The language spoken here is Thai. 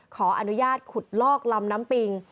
ขออนุญาตขุดลอกลำน้ำปิง